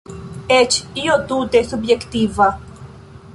Eĉ io tute subjektiva.